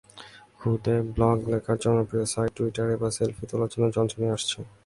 খুদে ব্লগ লেখার জনপ্রিয় সাইট টুইটার এবার সেলফি তোলার জন্য যন্ত্র নিয়ে আসছে।